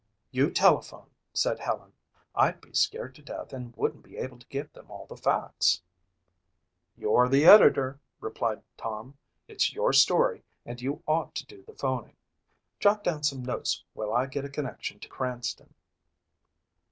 "You telephone," said Helen. "I'd be scared to death and wouldn't be able to give them all the facts." "You're the editor," replied Tom. "It's your story and you ought to do the phoning. Jot down some notes while I get a connection to Cranston."